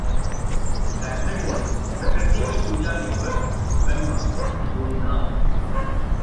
झारखंड में प्रकृति की पूजा के पर्व 'करमा' की धूम